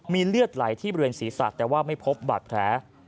มีเลือดไหลที่บริเวณศีรษะแต่ว่าไม่พบบาดแผล